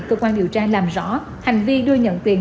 cơ quan điều tra làm rõ hành vi đưa nhận tiền